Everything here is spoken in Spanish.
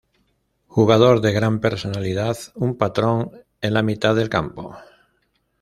Jugador de gran personalidad, un patrón en la mitad del campo.